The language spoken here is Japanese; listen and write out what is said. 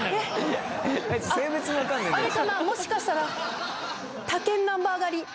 もしかしたら他県ナンバー狩り！